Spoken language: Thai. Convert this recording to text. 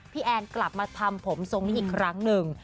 แอนกลับมาทำผมทรงนี้อีกครั้งหนึ่ง